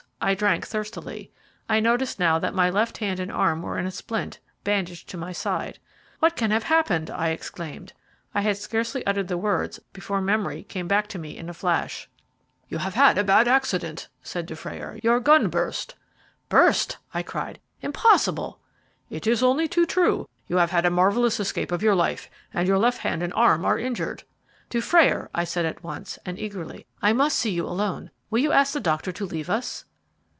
I drank thirstily. I noticed now that my left hand and arm were in a splint, bandaged to my side. "What can have happened?" I exclaimed. I had scarcely uttered the words before memory came back to me in a flash. "You have had a bad accident," said Dufrayer; "your gun burst." "Burst!" I cried. "Impossible." "It is only too true; you have had a marvellous escape of your life, and your left hand and arm are injured." "Dufrayer," I said at once, and eagerly, "I must see you alone. Will you ask the doctor to leave us?"